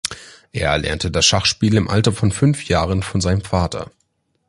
Er erlernte das Schachspiel im Alter von fünf Jahren von seinem Vater.